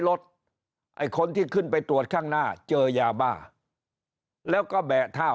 ไอ้คนที่ขึ้นไปตรวจข้างหน้าเจอยาบ้าแล้วก็แบะท่า